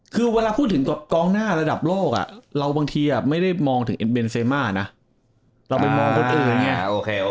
คือเวลาพูดถึงกองหน้าระดับโลกอ่ะเราบางทีไม่ได้มองถึงเบนเซม่านะเราไปมองคนอื่นเนี่ยอ่าโอเค